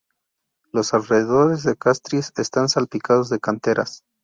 Los alrededores de Castries están salpicados de canteras.